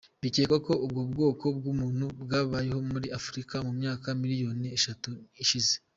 Bikekwa ko ubwo bwoko bw’umuntu, bwabayeho muri Afrika mu myaka miliyoni eshatu ishize.